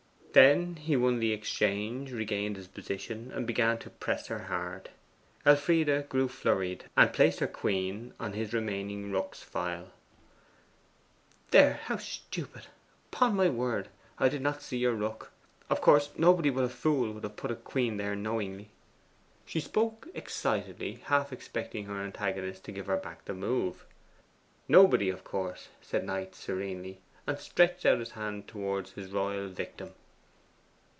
Then he won the exchange, regained his position, and began to press her hard. Elfride grew flurried, and placed her queen on his remaining rook's file. 'There how stupid! Upon my word, I did not see your rook. Of course nobody but a fool would have put a queen there knowingly!' She spoke excitedly, half expecting her antagonist to give her back the move. 'Nobody, of course,' said Knight serenely, and stretched out his hand towards his royal victim.